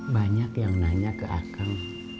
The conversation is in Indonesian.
banyak yang nanya ke akang